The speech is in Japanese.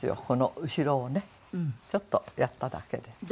ここの後ろをねちょっとやっただけで。